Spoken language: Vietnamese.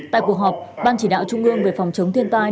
tại cuộc họp ban chỉ đạo trung ương về phòng chống thiên tai